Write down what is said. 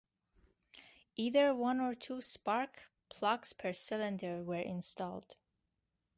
Either one or two spark plugs per cylinder were installed.